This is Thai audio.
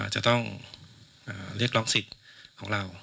จะต้องเรียกร้องสิทธิ์ของเรา